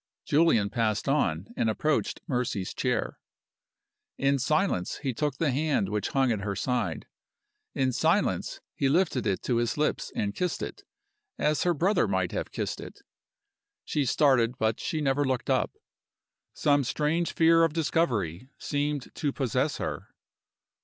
Julian passed on, and approached Mercy's chair. In silence he took the hand which hung at her side. In silence he lifted it to his lips and kissed it, as her brother might have kissed it. She started, but she never looked up. Some strange fear of discovery seemed to possess her.